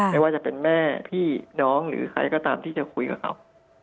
ไม่ว่าจะเป็นแม่พี่น้องหรือใครก็ตามที่จะคุยกับเขา